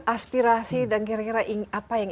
aspirasi dan kira kira apa yang